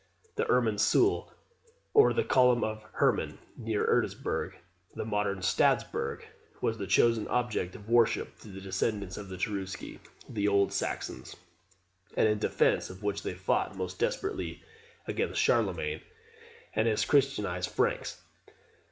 The Irmin sul, or the column of Herman, near Eresburg, the modern Stadtberg, was the chosen object of worship to the descendants of the Cherusci, the Old Saxons, and in defence of which they fought most desperately against Charlemagne and his christianized Franks.